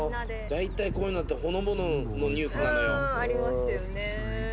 だいたいこういうのってほのぼののニュースなのよありますよね